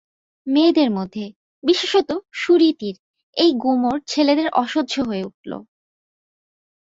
মেয়েদের মধ্যে, বিশেষত সুরীতির, এই গুমর ছেলেদের অসহ্য হয়ে উঠল।